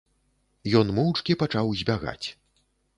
Ён моўчкі пачаў збягаць.